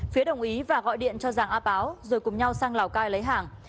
phía đồng ý và gọi điện cho giàng a páo rồi cùng nhau sang lào cai lấy hàng